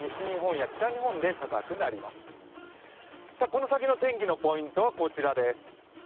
この先の天気のポイントはこちらです。